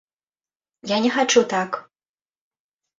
Я не хачу так!